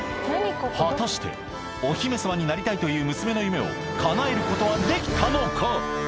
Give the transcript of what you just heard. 果たしてお姫様になりたいという娘の夢をかなえることはできたのか？